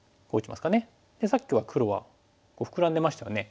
さっきは黒はフクラんでましたよね。